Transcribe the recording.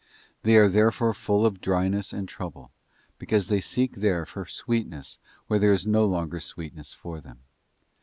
They are therefore full of dryness and trouble, because they seek there for sweetness where there is no longer sweetness for them.